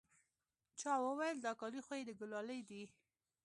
چا وويل دا کالي خو يې د ګلالي دي.